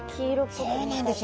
そうなんです。